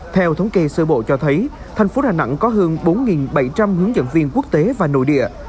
theo thống kê sơ bộ cho thấy thành phố đà nẵng có hơn bốn bảy trăm linh hướng dẫn viên quốc tế và nội địa